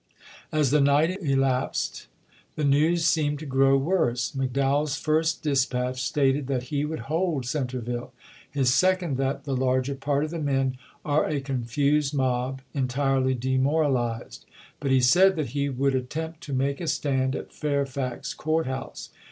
As the night elapsed, the news seemed to grow worse. McDowell's first dispatch stated that he would hold Centreville. His second, that "the larger part of the men are a confused mob, en to^To*'^^^ ^ tirely demoralized "; but he said that he would at '^oi'^'ii^^ tempt to make a stand at Fairfax Court House, n.^p a^e!'